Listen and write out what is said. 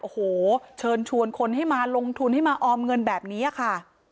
โอ้โหเชิญชวนคนให้มาลงทุนให้มาออมเงินแบบนี้ค่ะ